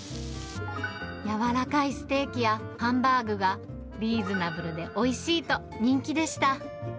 柔らかいステーキやハンバーグが、リーズナブルでおいしいと人気でした。